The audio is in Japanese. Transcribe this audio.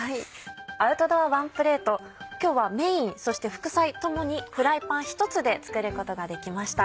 「アウトドアワンプレート」今日はメインそして副菜共にフライパン１つで作ることができました。